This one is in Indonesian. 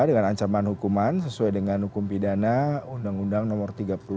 dengan ancaman hukuman sesuai dengan hukum pidana undang undang nomor tiga ratus empat puluh